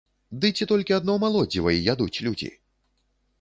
Ды ці толькі адно малодзіва й ядуць людзі?